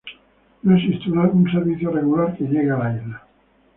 No existe un servicio regular que llegue a la isla.